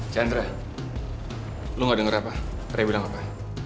chandra lu gak denger apa re bilang apa